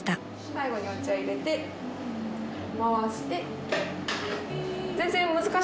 最後にお茶入れて回して。